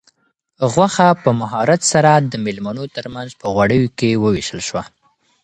غوښه په مهارت سره د مېلمنو تر منځ په غوریو کې وویشل شوه.